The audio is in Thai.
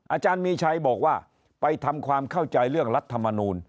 อาจารย์มีชัยบอกว่าไปทำความเข้าใจเรื่องรัฐมนูล